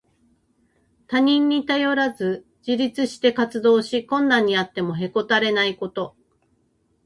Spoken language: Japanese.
他人に頼らず自立して活動し、困難にあってもへこたれないこと。